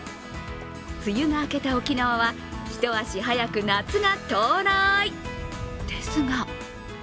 梅雨が明けた沖縄は一足早く夏が到来！ですが。